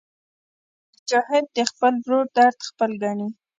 مجاهد د خپل ورور درد خپل ګڼي.